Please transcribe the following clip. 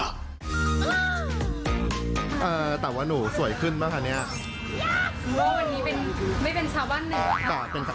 นรภาคสนุกน่ะสนใจยังไง